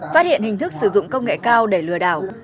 phát hiện hình thức sử dụng công nghệ cao để lừa đảo